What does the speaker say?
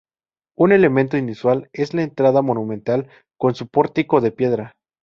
Un elemento inusual es la entrada monumental con su pórtico de piedra.